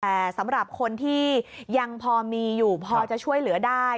แต่สำหรับคนที่ยังพอมีอยู่พอจะช่วยเหลือได้